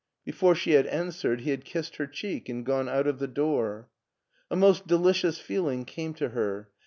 Before she had answered he had kissed her cheek and gone out of the door. A most delicious feeling came to her.